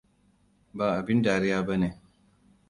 Ba abin dariya ba ne.